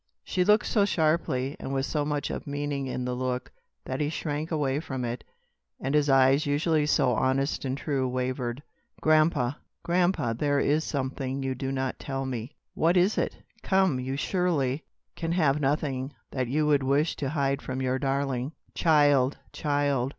She looked so sharply, and with so much of meaning in the look, that he shrank away from it, and his eyes, usually so honest and true, wavered. "Grandpa! grandpa! There is something you do not tell me. What is it? Come, you surely can have nothing that you would wish to hide from your darling." "Child! child!